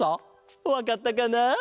わかったかな？